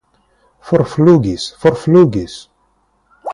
Forflugis, forflugis!